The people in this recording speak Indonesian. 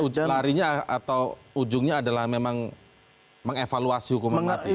jadi ujungnya adalah memang mengevaluasi hukuman mati